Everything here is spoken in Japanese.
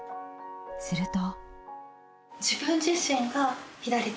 すると。